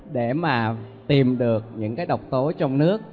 để mà tìm được những cái độc tố trong nước